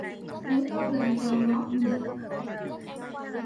Búi tóc lên cao ngó cũng đẹp